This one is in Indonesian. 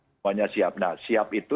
semuanya siap nah siap itu